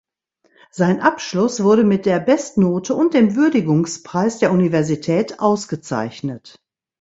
Sein Abschluss wurde mit der Bestnote und dem Würdigungspreis der Universität ausgezeichnet.